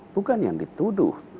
bukan yang dituduh